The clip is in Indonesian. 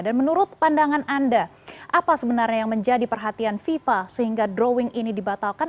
menurut pandangan anda apa sebenarnya yang menjadi perhatian fifa sehingga drawing ini dibatalkan